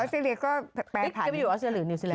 ออสเตรเลียก็แปลภัณฑ์พี่เคยไปอยู่ออสเตรเลียหรือนิวซีแลนด์